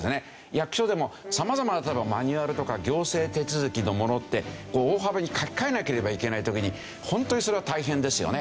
役所でも様々なマニュアルとか行政手続きのものって大幅に書き換えなければいけない時にホントにそれは大変ですよね。